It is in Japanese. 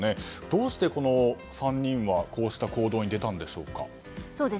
どうして、この３人はこうした行動に出たんでしょうか。